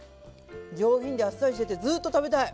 上品であっさりしててずっと食べたい。